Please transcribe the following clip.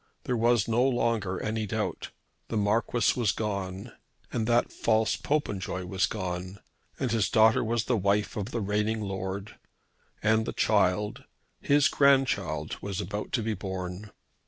There was no longer any doubt. The Marquis was gone, and that false Popenjoy was gone; and his daughter was the wife of the reigning Lord, and the child, his grandchild, was about to be born.